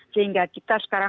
sehingga kita sekarang